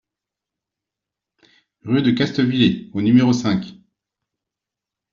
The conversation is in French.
Rue de Castviller au numéro cinq